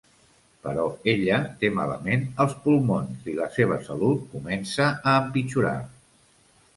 Però ella té malament els pulmons i la seva salut comença a empitjorar.